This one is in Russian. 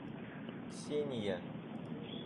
Ксения